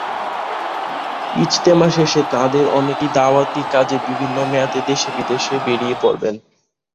ইজতেমা শেষে তাঁদের অনেকেই দাওয়াতি কাজে বিভিন্ন মেয়াদে দেশে-বিদেশে বেরিয়ে পড়বেন।